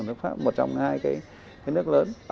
là một trong hai cái nước lớn